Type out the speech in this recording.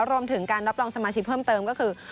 รวมถึงการรับรองสมาชิกเพิ่มเติมก็คือ